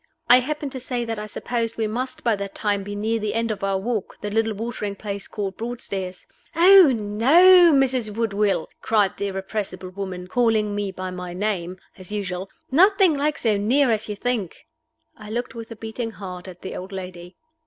I happened to say that I supposed we must by that time be near the end of our walk the little watering place called Broadstairs. "Oh no, Mrs. Woodville!" cried the irrepressible woman, calling me by my name, as usual; "nothing like so near as you think!" I looked with a beating heart at the old lady.